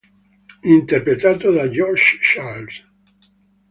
Interpretato da Josh Charles.